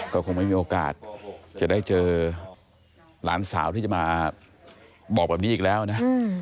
ก็คงไม่มีโอกาสจะได้เจอหลานสาวที่จะมาบอกแบบนี้อีกแล้วนะ